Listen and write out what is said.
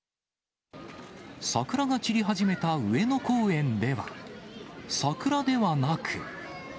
桜が散り始めた上野公園では、桜ではなく。